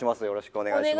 お願いします。